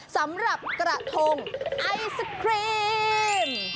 สำหรับกระทงไอศครีม